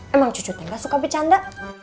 emang cucu teh gak suka bercanda